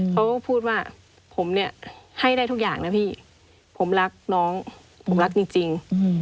เขาก็พูดว่าผมเนี่ยให้ได้ทุกอย่างนะพี่ผมรักน้องผมรักจริง